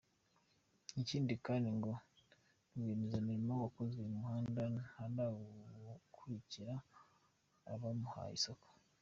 Ikindi kandi ngo rwiyemezamirimo wakoze uyu muhanda ntarawumurikira abamuhaye isoko.